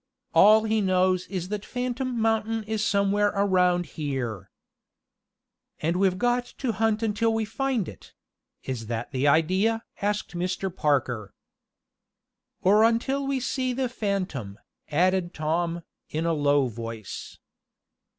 All he knows is that Phantom Mountain is somewhere around here." "And we've got to hunt until we find it; is that the idea?" asked Mr. Parker. "Or until we see the phantom," added Tom, in a low voice.